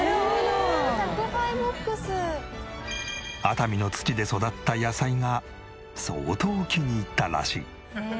熱海の土で育った野菜が相当気に入ったらしい。